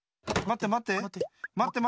まってまって。